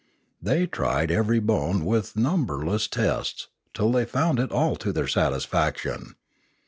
They tried every bone with numberless tests, till they found it all to their satisfaction.